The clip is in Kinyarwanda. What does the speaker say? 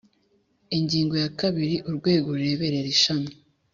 Ingingo ya kabiri Urwego rureberera Ishami